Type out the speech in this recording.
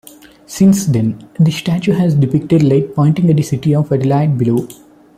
Since then, the statue has depicted Light pointing at the City of Adelaide below.